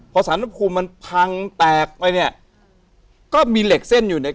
พอสารภูมิมันพังแตกไปเนี่ยก็มีเหล็กเส้นอยู่เนี่ย